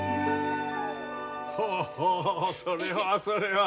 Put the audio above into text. ほうほうそれはそれは。